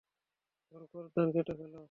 ওর গর্দান কেটে ফেলো!